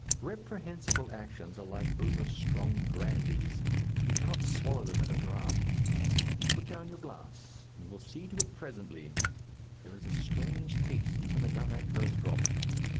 Reprehensible actions are like over strong brandies you cannot swallow them at a draught. You put down your glass; you will see to it presently; there is a strange taste even about that first drop.